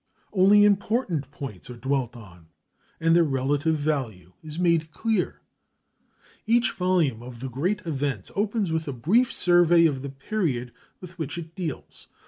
Only important points are dwelt on, and their relative value is made clear. Each volume of THE GREAT EVENTS opens with a brief survey of the period with which it deals.